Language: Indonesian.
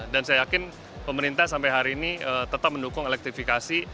dan saya yakin pemerintah sampai hari ini tetap mendukung elektrifikasi